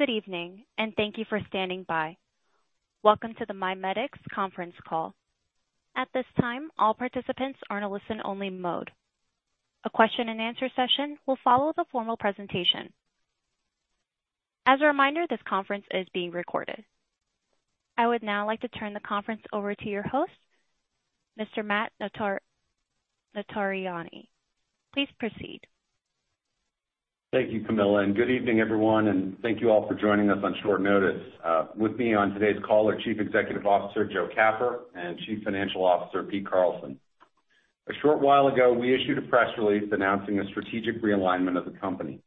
Good evening. Thank you for standing by. Welcome to the MiMedx conference call. At this time, all participants are in a listen-only mode. A question-and-answer session will follow the formal presentation. As a reminder, this conference is being recorded. I would now like to turn the conference over to your host, Mr. Matt Notarianni. Please proceed. Thank you, Camilla. Good evening, everyone. Thank you all for joining us on short notice. With me on today's call are Chief Executive Officer, Joe Capper, and Chief Financial Officer, Pete Carlson. A short while ago, we issued a press release announcing a strategic realignment of the company.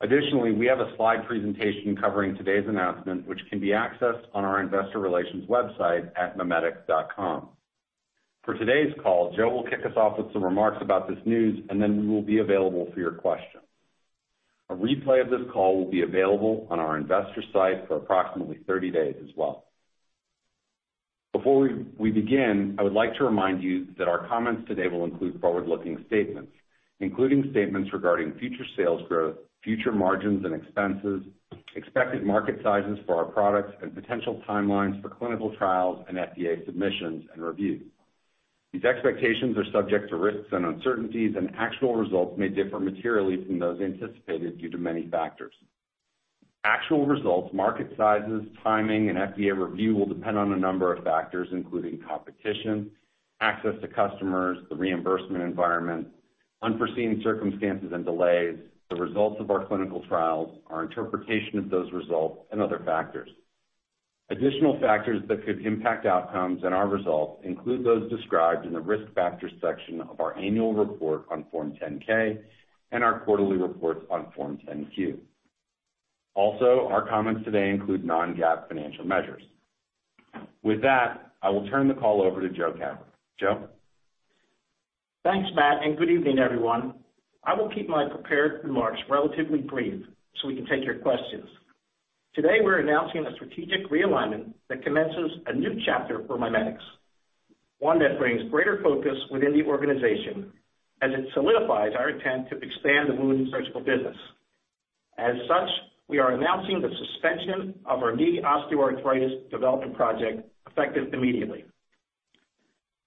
Additionally, we have a slide presentation covering today's announcement, which can be accessed on our investor relations website at mimedx.com. For today's call, Joe will kick us off with some remarks about this news. Then we will be available for your questions. A replay of this call will be available on our investor site for approximately 30 days as well. Before we begin, I would like to remind you that our comments today will include forward-looking statements, including statements regarding future sales growth, future margins and expenses, expected market sizes for our products, and potential timelines for clinical trials and FDA submissions and review. These expectations are subject to risks and uncertainties, and actual results may differ materially from those anticipated due to many factors. Actual results, market sizes, timing, and FDA review will depend on a number of factors, including competition, access to customers, the reimbursement environment, unforeseen circumstances and delays, the results of our clinical trials, our interpretation of those results, and other factors. Additional factors that could impact outcomes and our results include those described in the Risk Factors section of our annual report on Form 10-K and our quarterly reports on Form 10-Q. Our comments today include non-GAAP financial measures. With that, I will turn the call over to Joe Capper. Joe? Thanks, Matt. Good evening, everyone. I will keep my prepared remarks relatively brief so we can take your questions. Today, we're announcing a strategic realignment that commences a new chapter for MiMedx, one that brings greater focus within the organization as it solidifies our intent to expand the wound and surgical business. As such, we are announcing the suspension of our knee osteoarthritis development project, effective immediately.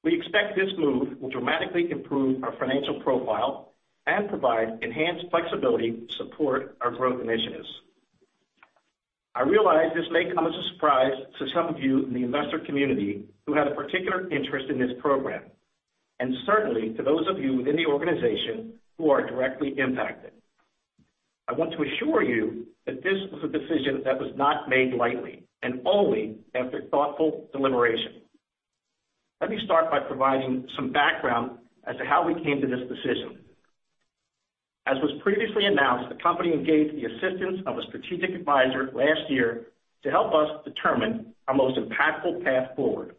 We expect this move will dramatically improve our financial profile and provide enhanced flexibility to support our growth initiatives. I realize this may come as a surprise to some of you in the investor community who had a particular interest in this program, and certainly to those of you within the organization who are directly impacted. I want to assure you that this was a decision that was not made lightly and only after thoughtful deliberation. Let me start by providing some background as to how we came to this decision. As was previously announced, the company engaged the assistance of a strategic advisor last year to help us determine our most impactful path forward.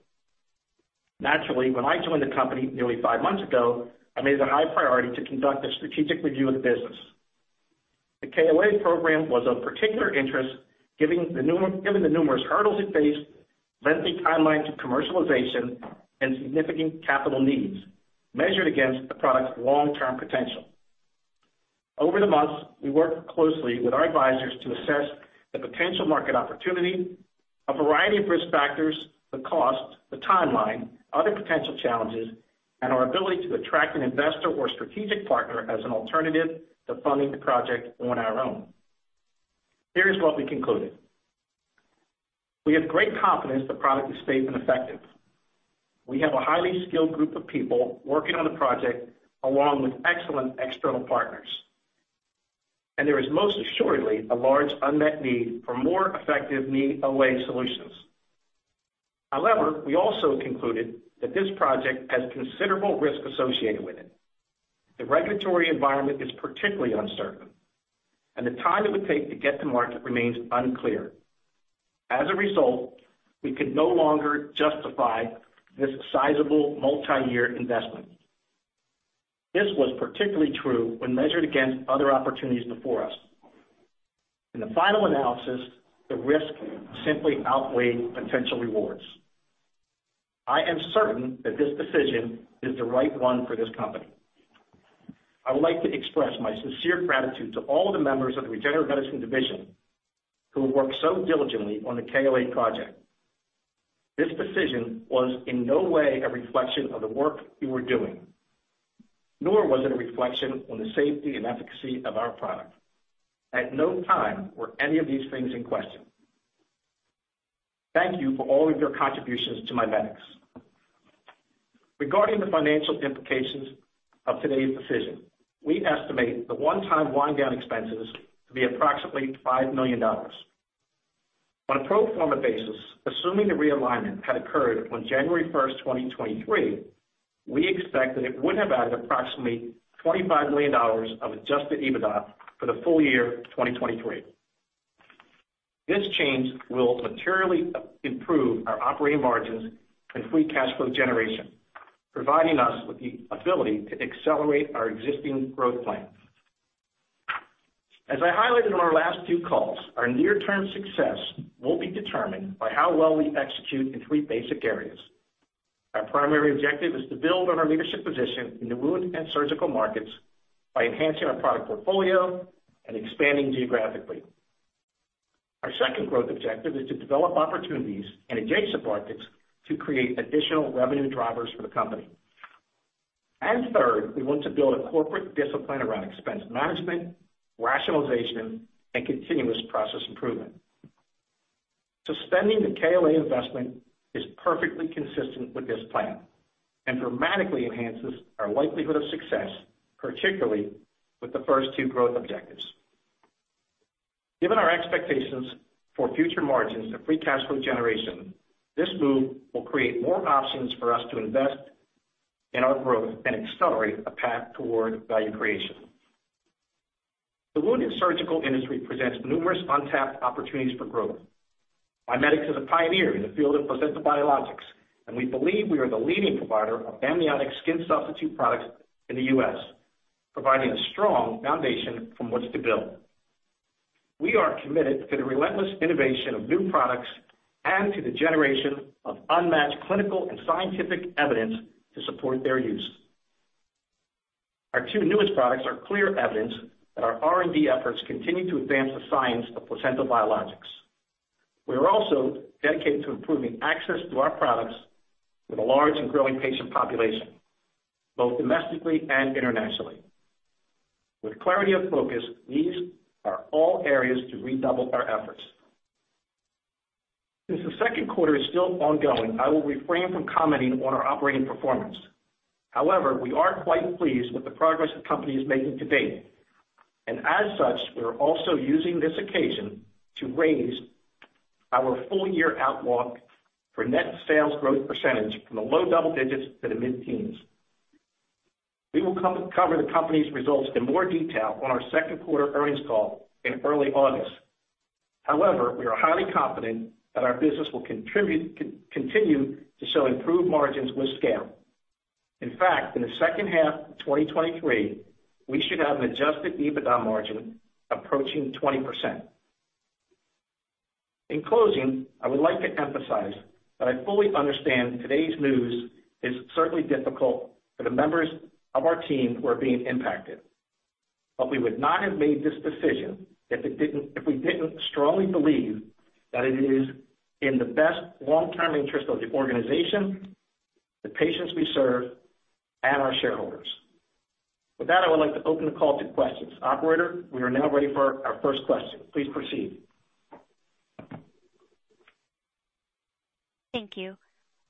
Naturally, when I joined the company nearly five months ago, I made it a high priority to conduct a strategic review of the business. The KOA program was of particular interest, given the numerous hurdles it faced, lengthy timeline to commercialization, and significant capital needs measured against the product's long-term potential. Over the months, we worked closely with our advisors to assess the potential market opportunity, a variety of risk factors, the cost, the timeline, other potential challenges, and our ability to attract an investor or strategic partner as an alternative to funding the project on our own. Here is what we concluded: We have great confidence the product is safe and effective. We have a highly skilled group of people working on the project, along with excellent external partners, and there is most assuredly a large unmet need for more effective KOA solutions. We also concluded that this project has considerable risk associated with it. The regulatory environment is particularly uncertain, and the time it would take to get to market remains unclear. As a result, we could no longer justify this sizable multiyear investment. This was particularly true when measured against other opportunities before us. In the final analysis, the risk simply outweighed potential rewards. I am certain that this decision is the right one for this company. I would like to express my sincere gratitude to all the members of the Regenerative Medicine Division who worked so diligently on the KOA project. This decision was in no way a reflection of the work you were doing, nor was it a reflection on the safety and efficacy of our product. At no time were any of these things in question. Thank you for all of your contributions to MiMedx. Regarding the financial implications of today's decision, we estimate the one-time wind-down expenses to be approximately $5 million. On a pro forma basis, assuming the realignment had occurred on January 1, 2023, we expect that it would have added approximately $25 million of adjusted EBITDA for the full year 2023. This change will materially improve our operating margins and free cash flow generation, providing us with the ability to accelerate our existing growth plans. As I highlighted on our last two calls, our near-term success will be determined by how well we execute in three basic areas. Our primary objective is to build on our leadership position in the wound and surgical markets by enhancing our product portfolio and expanding geographically. Our second growth objective is to develop opportunities in adjacent markets to create additional revenue drivers for the company. Third, we want to build a corporate discipline around expense management, rationalization, and continuous process improvement. Suspending the KOA investment is perfectly consistent with this plan and dramatically enhances our likelihood of success, particularly with the first two growth objectives. Given our expectations for future margins and free cash flow generation, this move will create more options for us to invest in our growth and accelerate a path toward value creation. The wound and surgical industry presents numerous untapped opportunities for growth. MiMedx is a pioneer in the field of placental biologics, and we believe we are the leading provider of amniotic skin substitute products in the US, providing a strong foundation from which to build. We are committed to the relentless innovation of new products and to the generation of unmatched clinical and scientific evidence to support their use. Our two newest products are clear evidence that our R&D efforts continue to advance the science of placental biologics. We are also dedicated to improving access to our products with a large and growing patient population, both domestically and internationally. With clarity of focus, these are all areas to redouble our efforts. Since the second quarter is still ongoing, I will refrain from commenting on our operating performance. We are quite pleased with the progress the company is making to date, and as such, we are also using this occasion to raise our full year outlook for net sales growth % from the low double digits to the mid-teens. We will cover the company's results in more detail on our second quarter earnings call in early August. We are highly confident that our business will continue to show improved margins with scale. In fact, in the second half of 2023, we should have an adjusted EBITDA margin approaching 20%. In closing, I would like to emphasize that I fully understand today's news is certainly difficult for the members of our team who are being impacted, but we would not have made this decision if we didn't strongly believe that it is in the best long-term interest of the organization, the patients we serve, and our shareholders. With that, I would like to open the call to questions. Operator, we are now ready for our first question. Please proceed. Thank you.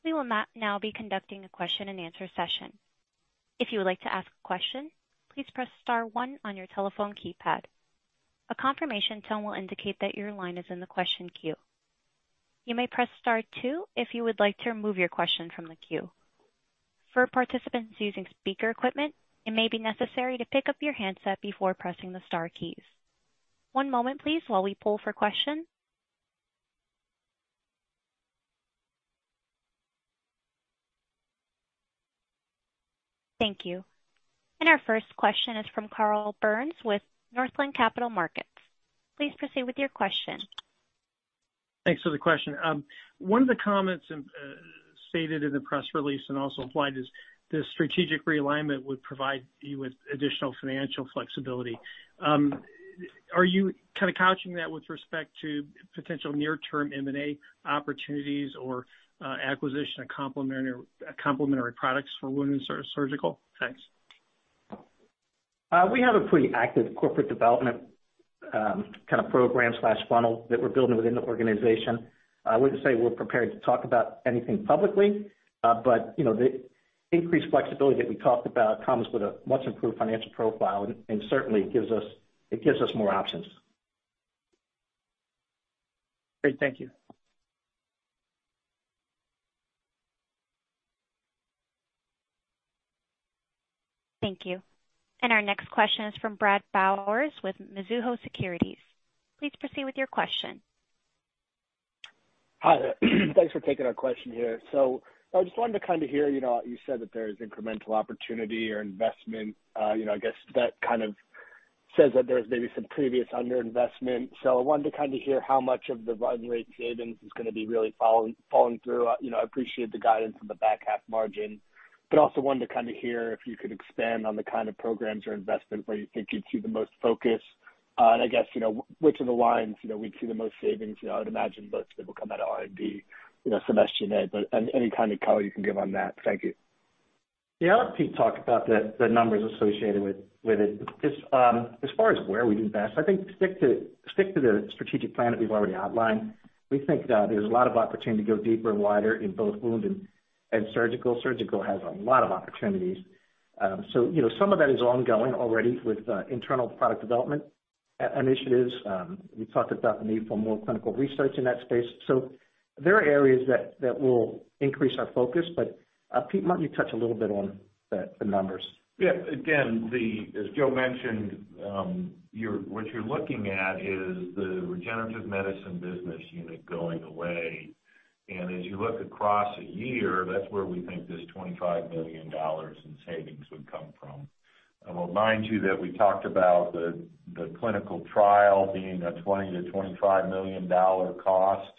We will now be conducting a question-and-answer session. If you would like to ask a question, please press star one on your telephone keypad. A confirmation tone will indicate that your line is in the question queue. You may press star two if you would like to remove your question from the queue. For participants using speaker equipment, it may be necessary to pick up your handset before pressing the star keys. One moment, please, while we pull for questions. Thank you. Our first question is from Carl Byrnes with Northland Capital Markets. Please proceed with your question. Thanks for the question. One of the comments stated in the press release and also applied is this strategic realignment would provide you with additional financial flexibility. Are you kind of couching that with respect to potential near-term M&A opportunities or acquisition of complementary products for wound and surgical? Thanks. We have a pretty active corporate development, kind of program slash funnel that we're building within the organization. I wouldn't say we're prepared to talk about anything publicly. You know, the increased flexibility that we talked about comes with a much improved financial profile, and certainly gives us, it gives us more options. Great. Thank you. Thank you. Our next question is from Bradley Bowers with Mizuho Securities. Please proceed with your question. Hi. Thanks for taking our question here. I just wanted to kind of hear, you know, you said that there's incremental opportunity or investment. You know, I guess that kind of says that there's maybe some previous underinvestment. I wanted to kind of hear how much of the run rate savings is gonna be really falling through. You know, I appreciate the guidance on the back half margin, but also wanted to kind of hear if you could expand on the kind of programs or investment where you think you'd see the most focus. And I guess, you know, which of the lines, you know, we'd see the most savings. You know, I would imagine most of it will come out of R&D, you know, some SG&A, but any kind of color you can give on that. Thank you. Yeah, I'll let Pete talk about the numbers associated with it. Just, as far as where we do best, I think stick to the strategic plan that we've already outlined. We think, there's a lot of opportunity to go deeper and wider in both wound and surgical. Surgical has a lot of opportunities. You know, some of that is ongoing already with internal product development and initiatives. We talked about the need for more clinical research in that space. There are areas that will increase our focus. Pete, why don't you touch a little bit on the numbers? Yeah. Again, as Joe mentioned, what you're looking at is the Regenerative Medicine Business Unit going away. As you look across a year, that's where we think this $25 million in savings would come from. I will remind you that we talked about the clinical trial being a $20 million-$25 million cost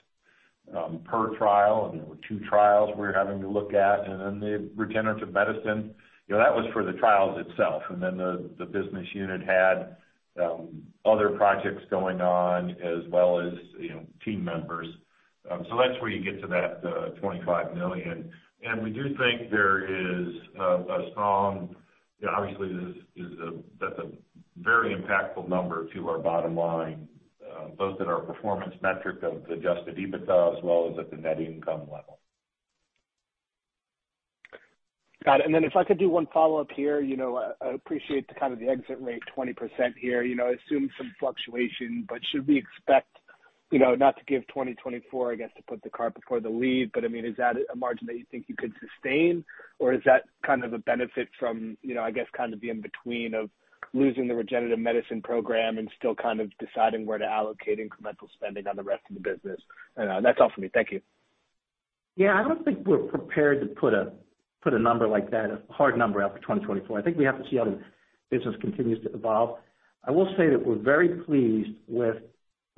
per trial, and there were two trials we were having to look at, and then the regenerative medicine, you know, that was for the trials itself, and then the Business Unit had other projects going on as well as, you know, team members. That's where you get to that $25 million. We do think there is a strong, you know, obviously, that's a very impactful number to our bottom line, both in our performance metric of the adjusted EBITDA as well as at the net income level. Got it. If I could do one follow-up here, you know, I appreciate the kind of the exit rate, 20% here. You know, I assume some fluctuation, should we expect, you know, not to give 2024, I guess, to put the cart before the lead, I mean, is that a margin that you think you could sustain? Or is that kind of a benefit from, you know, I guess, kind of the in-between of losing the Regenerative Medicine program and still kind of deciding where to allocate incremental spending on the rest of the business? That's all for me. Thank you. Yeah, I don't think we're prepared to put a number like that, a hard number out for 2024. I think we have to see how the business continues to evolve. I will say that we're very pleased with the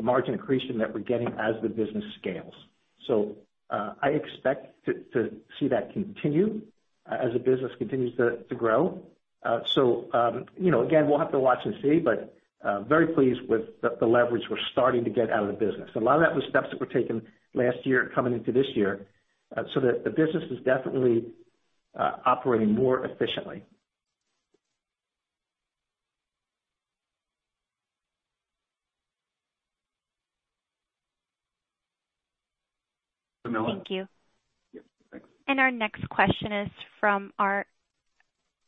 margin accretion that we're getting as the business scales. I expect to see that continue as the business continues to grow. You know, again, we'll have to watch and see, but very pleased with the leverage we're starting to get out of the business. A lot of that was steps that were taken last year coming into this year, so that the business is definitely operating more efficiently. Pamela? Thank you. Yeah, thanks. Our next question is from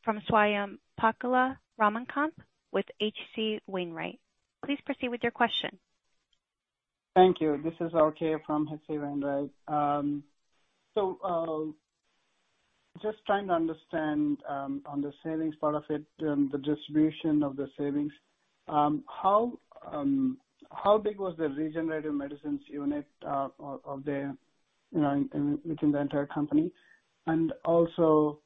Swayampakula Ramakanth with H.C. Wainwright. Please proceed with your question. Thank you. This is RK from H.C. Wainwright. Just trying to understand on the savings part of it, the distribution of the savings. How big was the regenerative medicines unit of the, you know, within the entire company? Also,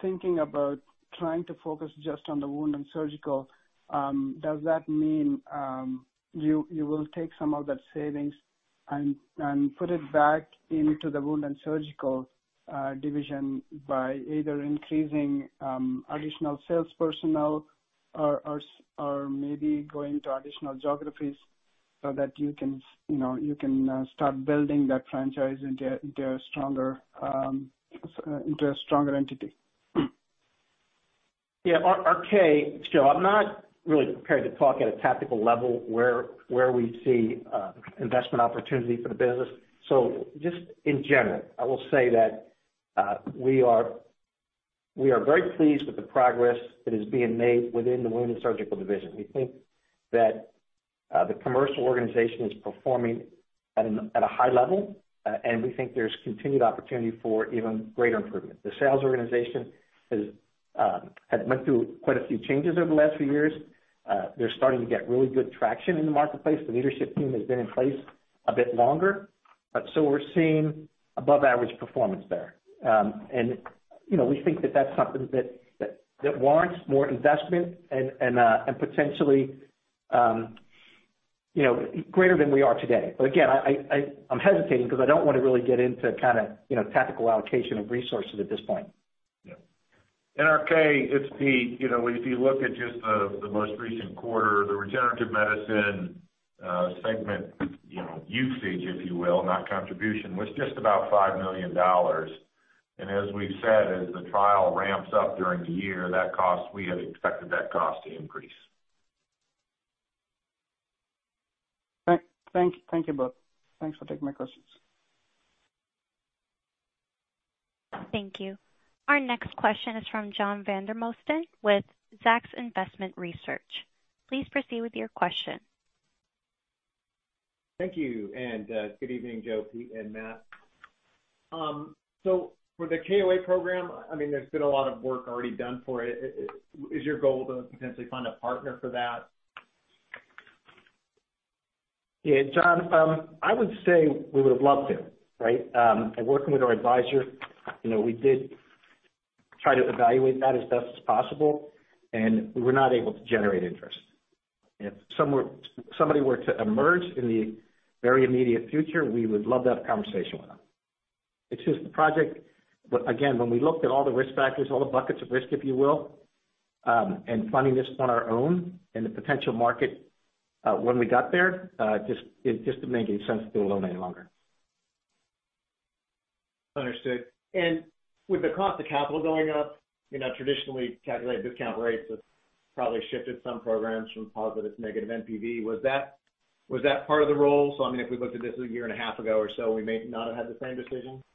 thinking about trying to focus just on the wound and surgical, does that mean you will take some of that savings and put it back into the wound and surgical division by either increasing additional sales personnel or maybe going to additional geographies so that you can, you know, you can start building that franchise into a stronger, into a stronger entity? RK, I'm not really prepared to talk at a tactical level where we see investment opportunity for the business. Just in general, I will say that we are very pleased with the progress that is being made within the wound and surgical division. We think that the commercial organization is performing at a high level and we think there's continued opportunity for even greater improvement. The sales organization has went through quite a few changes over the last few years. They're starting to get really good traction in the marketplace. The leadership team has been in place a bit longer, but so we're seeing above average performance there. You know, we think that that's something that warrants more investment and potentially, you know, greater than we are today. Again, I'm hesitating because I don't want to really get into kind of, you know, tactical allocation of resources at this point. Yeah. RK, it's Pete. You know, if you look at just the most recent quarter, the regenerative medicine segment, you know, usage, if you will, not contribution, was just about $5 million. As we've said, as the trial ramps up during the year, that cost, we had expected that cost to increase. Thank you both. Thanks for taking my questions. Thank you. Our next question is from John Vandermosten with Zacks Investment Research. Please proceed with your question. Thank you, good evening, Joe, Pete, and Matt. For the KOA program, I mean, there's been a lot of work already done for it. Is your goal to potentially find a partner for that? Yeah, John, I would say we would have loved to, right? Working with our advisor, you know, we did try to evaluate that as best as possible, and we were not able to generate interest. If somebody were to emerge in the very immediate future, we would love to have a conversation with them. It's just the project. Again, when we looked at all the risk factors, all the buckets of risk, if you will, and funding this on our own and the potential market, when we got there, it just didn't make any sense to go alone any longer. Understood. With the cost of capital going up, you know, traditionally calculated discount rates have probably shifted some programs from positive to negative NPV. Was that part of the role? I mean, if we looked at this a year and a half ago or so, we may not have had the same decision? Yeah,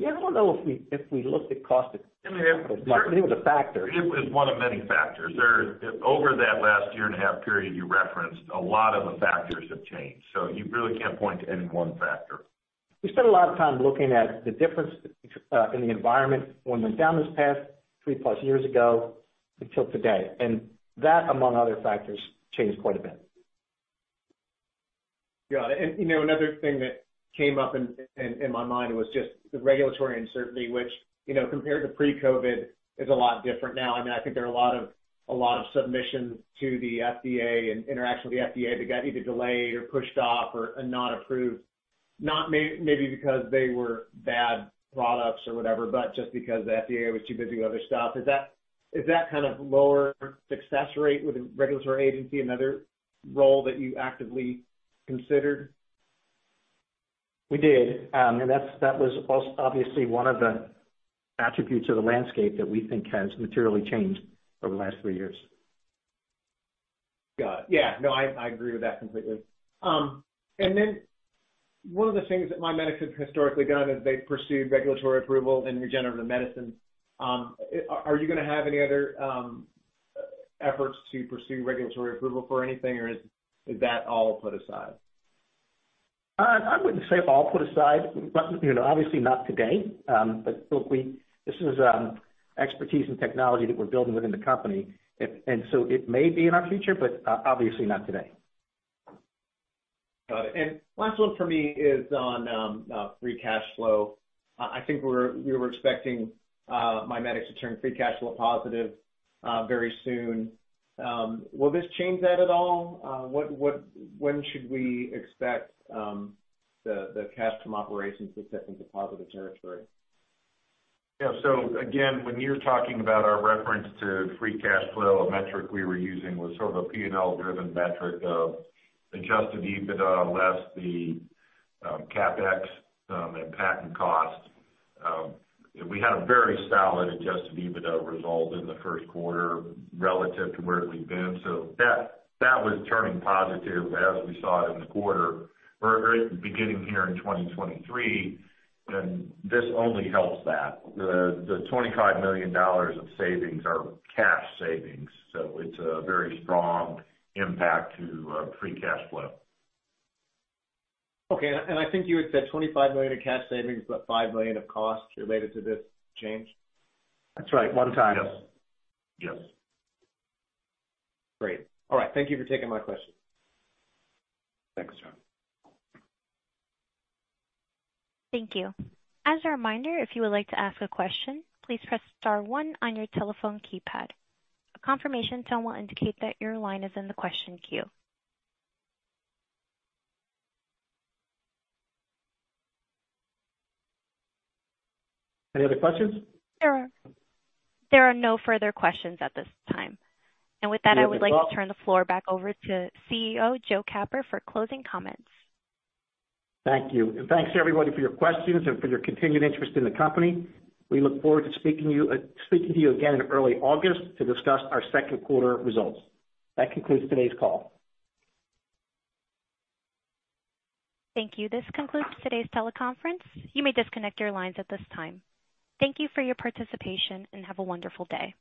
I don't know if we looked at cost of capital, but it was a factor. It was one of many factors. There, over that last year-and-a-half period you referenced, a lot of the factors have changed. You really can't point to any one factor. We spent a lot of time looking at the difference in the environment when went down this path 3+ years ago until today, and that, among other factors, changed quite a bit. Got it. You know, another thing that came up in my mind was just the regulatory uncertainty, which, you know, compared to pre-COVID, is a lot different now. I mean, I think there are a lot of, a lot of submissions to the FDA and interaction with the FDA that got either delayed or pushed off or, and not approved. Maybe because they were bad products or whatever, but just because the FDA was too busy with other stuff. Is that, is that kind of lower success rate with a regulatory agency, another role that you actively considered? We did. That was obviously one of the attributes of the landscape that we think has materially changed over the last three years. Got it. Yeah, no, I agree with that completely. One of the things that MiMedx has historically done is they've pursued regulatory approval in regenerative medicine. Are you gonna have any other efforts to pursue regulatory approval for anything, or is that all put aside? I wouldn't say all put aside, but, you know, obviously not today. Look, this is expertise and technology that we're building within the company. It may be in our future, but obviously not today. Got it. Last one for me is on free cash flow. I think we were expecting MiMedx to turn free cash flow positive very soon. Will this change that at all? What, when should we expect the cash from operations to step into positive territory? So again, when you're talking about our reference to free cash flow, a metric we were using was sort of a P&L-driven metric of adjusted EBITDA less the CapEx and patent costs. We had a very solid adjusted EBITDA result in the first quarter relative to where we've been, so that was turning positive as we saw it in the quarter or at the beginning here in 2023, and this only helps that. The $25 million of savings are cash savings, so it's a very strong impact to free cash flow. Okay. I think you had said $25 million in cash savings, but $5 million of costs related to this change? That's right. One time. Yes. Yes. Great. All right. Thank you for taking my questions. Thanks, John. Thank you. As a reminder, if you would like to ask a question, please press star one on your telephone keypad. A confirmation tone will indicate that your line is in the question queue. Any other questions? There are no further questions at this time. Very well. With that, I would like to turn the floor back over to CEO, Joe Capper, for closing comments. Thank you. Thanks, everybody, for your questions and for your continued interest in the company. We look forward to speaking to you again in early August to discuss our second quarter results. That concludes today's call. Thank you. This concludes today's teleconference. You may disconnect your lines at this time. Thank you for your participation, and have a wonderful day.